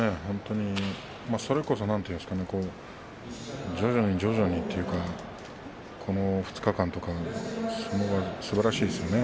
それこそ徐々に徐々にというかこの２日間、特に相撲がすばらしいですね。